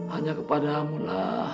hanya kepada mu lah